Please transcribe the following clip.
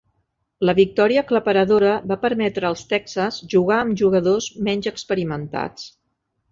La victòria aclaparadora va permetre als Texas jugar amb jugadors menys experimentats.